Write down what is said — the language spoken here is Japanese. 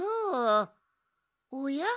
おや？